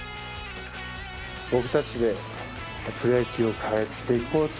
僕たちでプロ野球を変えていこう。